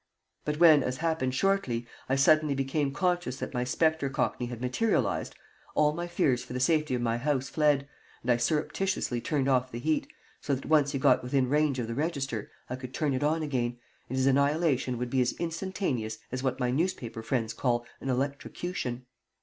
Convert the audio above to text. But when, as happened shortly, I suddenly became conscious that my spectre cockney had materialized, all my fears for the safety of my house fled, and I surreptitiously turned off the heat, so that once he got within range of the register I could turn it on again, and his annihilation would be as instantaneous as what my newspaper friends call an electrocution.